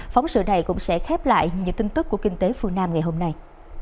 phóng sự này cũng sẽ khép lại những tin tức của kinh tế phương nam ngày hôm nay